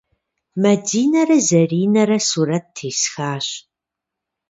Мадинэрэ Заринэрэ сурэт тесхащ.